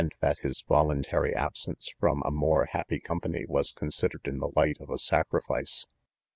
that his voluntary, absence from a more happy company was considered in the light of a sac rifice.